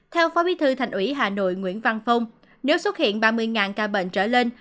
theo phó bí thư thành ủy hà nội nguyễn văn phong nếu xuất hiện ba mươi ca bệnh trở lên